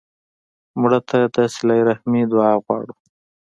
مړه ته د صله رحمي دعا غواړو